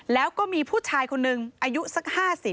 แล้วก็มีผู้ชายคนนึงอายุสัก๕๐